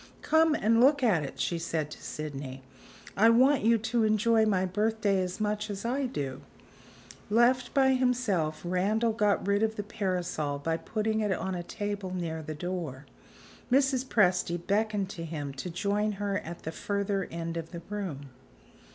"Come and look at it," she said to Sydney; "I want you to enjoy my birthday as much as I do." Left by himself, Randal got rid of the parasol by putting it on a table near the door. Mrs. Presty beckoned to him to join her at the further end of the room.